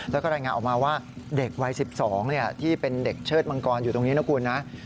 แล้วก็รายงานออกมาว่าเด็กวัย๑๒ที่เป็นเด็กเชิดมังกรอยู่ตรงนี้นะคุณนะ